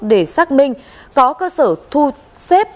để xác minh có cơ sở thu xếp